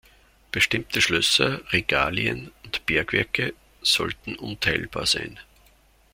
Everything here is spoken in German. Bestimmte Schlösser, Regalien und Bergwerke sollten unteilbar sein.